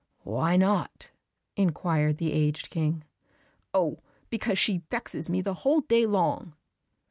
"Why not?" inquired the aged King. "Oh, because she vexes me the whole day long."